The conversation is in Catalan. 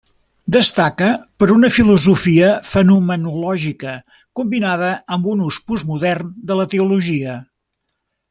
Destaca per una filosofia fenomenològica combinada amb un ús postmodern de la teologia.